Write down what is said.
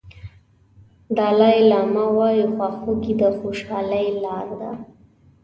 دالای لاما وایي خواخوږي د خوشالۍ لار ده.